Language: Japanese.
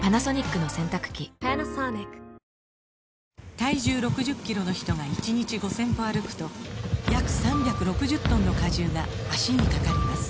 体重６０キロの人が１日５０００歩歩くと約３６０トンの荷重が脚にかかります